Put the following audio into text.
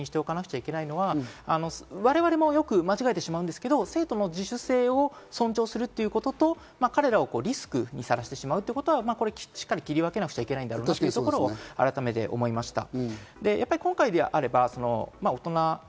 ただ、いろんな前提を踏まえて、大人として一つ確認しておかなければいけないのは、我々もよく間違えてしまうんですが、生徒の自主性を尊重するということと、彼らをリスクにさらしてしまうということは、しっかり切り分けなければいけないということを改めて思いました。